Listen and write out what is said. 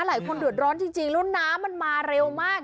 หลายคนเดือดร้อนจริงแล้วน้ำมันมาเร็วมาก